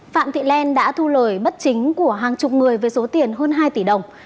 phạm thị len đã thu lời bất chính của hàng chục người với số tiền hơn hai tỷ đồng